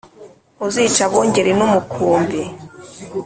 Uzica abungeri n`umukumbi.”